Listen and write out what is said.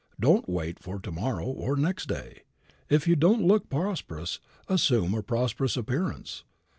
Don't wait for to morrow or next day. If you don't look prosperous, assume a prosperous appearance.